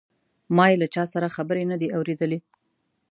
ما یې له چا سره خبرې نه دي اوریدلې.